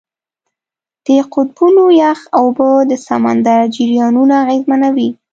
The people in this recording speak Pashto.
د قطبونو یخ اوبه د سمندر جریانونه اغېزمنوي.